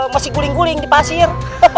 masih guling guling di pasir